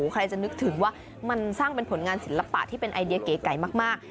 ใครจะนึกถึงว่ามันสร้างเป็นผลงานศิลปะที่เป็นไอเดียเก๋ไก่มาก